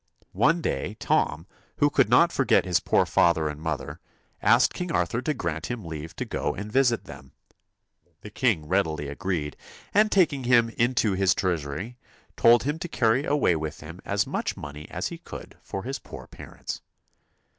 One day Tom, who could not forget his poor father and mother, asked King Arthur to grant him leave to go and visit them. The king readily agreed, and taking him into his treasury, told him to carry away with him as much money as he could for his poor parents.